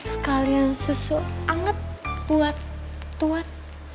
sekalian susu anget buat tuat